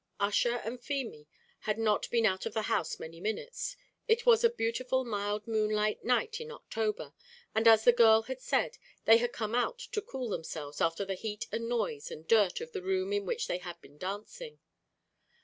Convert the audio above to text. Ussher and Feemy had not been out of the house many minutes; it was a beautiful mild moonlight night in October, and as the girl had said, they had come out to cool themselves after the heat and noise and dirt of the room in which they had been dancing.